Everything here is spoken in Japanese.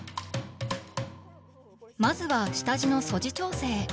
まずは下地の素地調整。